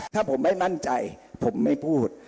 ถ้าผมไม่มั่นใจผมไม่พูด